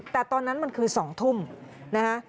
แต่ตอนนั้นมันคือ๒ทุ่มนะคะ